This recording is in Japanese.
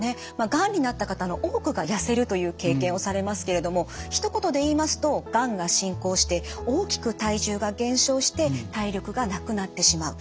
がんになった方の多くがやせるという経験をされますけれどもひと言で言いますとがんが進行して大きく体重が減少して体力がなくなってしまう。